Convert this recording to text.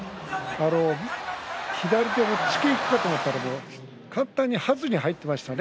左手押っつけにいったと思ったらはずに入ってましたね。